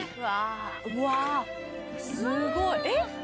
うわすごい。